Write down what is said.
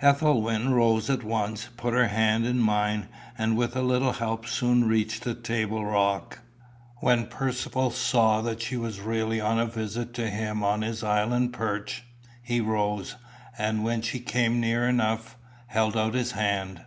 Ethelwyn rose at once, put her hand in mine, and with a little help soon reached the table rock. When Percivale saw that she was really on a visit to him on his island perch, he rose, and when she came near enough, held out his hand.